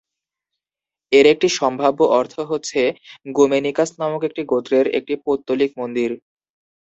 এর একটি সম্ভাব্য অর্থ হচ্ছে "গুমেনিকাস নামক একটি গোত্রের একটি পৌত্তলিক মন্দির"।